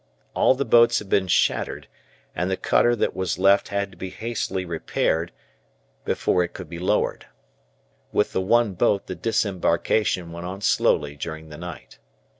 All the boats had been shattered and the cutter that was left had to be hastily repaired before it could be lowered. With the one boat the disembarkation went on slowly during the night.